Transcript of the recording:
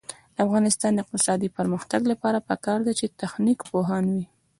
د افغانستان د اقتصادي پرمختګ لپاره پکار ده چې تخنیک پوهان وي.